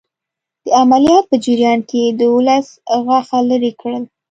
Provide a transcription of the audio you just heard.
د عملیات په جریان کې یې دوولس غاښه لرې کړل.